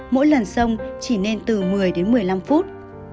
mỗi lần sông chỉ nên từ một mươi đến một mươi năm phút